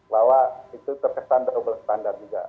bahwa itu terkesan double standard juga